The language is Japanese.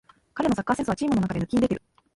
彼のサッカーセンスはチームの中で抜きんでてる